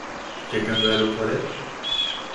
Quelqu'un veut aller aux toilettes?